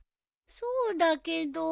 そうだけど。